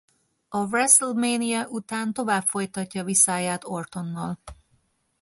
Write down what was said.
A WrestleMania után tovább folytatja viszályát Ortonnal.